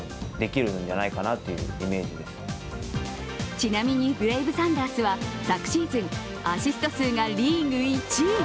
ちなみに、ブレイブサンダースは昨シーズン、アシスト数がリーグ１位。